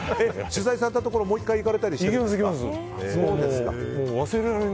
取材されたところもう１回行かれたりしてるんですか。